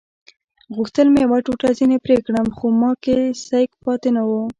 غوښتل مې یوه ټوټه ځینې پرې کړم خو ما کې سېک پاتې نه وو.